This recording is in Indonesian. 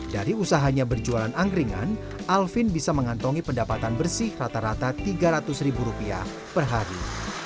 dari usahanya berjualan angkringan alvin bisa mengantongi pendapatan bersih rata rata rp tiga ratus perhari